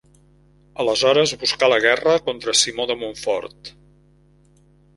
Aleshores buscà la guerra contra Simó de Montfort.